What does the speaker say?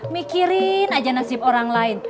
mikirin aja nasib orang lain